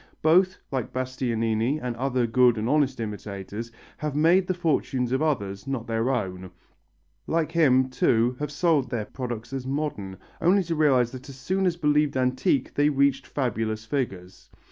Both, like Bastianini and other good and honest imitators, have made the fortunes of others, not their own; like him, too, have sold their products as modern, only to realize that as soon as believed antique they reached fabulous figures.